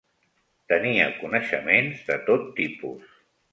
Tenia coneixements de tot tipus.